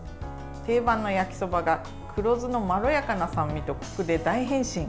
定番の焼きそばが、黒酢のまろやかな酸味とこくで大変身！